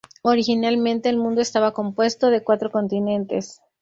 Originalmente, el mundo estaba compuesto de cuatro continentes.